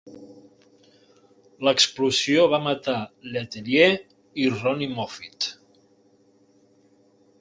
L'explosió va matar Letelier i Ronni Moffit.